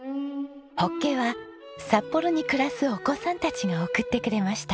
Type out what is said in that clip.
ホッケは札幌に暮らすお子さんたちが送ってくれました。